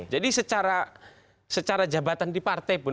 jadi secara jabatan di partai pun